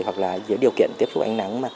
hoặc là dưới điều kiện tiếp xúc ánh nắng